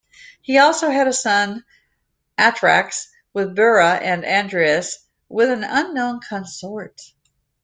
He also had a son Atrax with Bura, and Andreus with an unknown consort.